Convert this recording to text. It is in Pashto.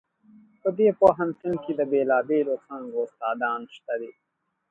په دې پوهنتون کې د بیلابیلو څانګو استادان شته دي